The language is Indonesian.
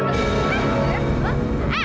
iblis lu ya